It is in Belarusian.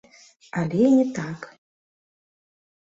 Але і не так.